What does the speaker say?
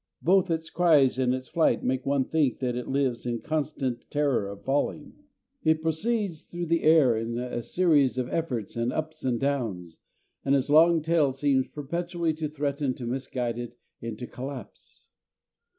Both its cries and its flight make one think that it lives in constant terror of falling. It proceeds through the air in a series of efforts and ups and downs, and its long tail seems perpetually to threaten to misguide it into collapse.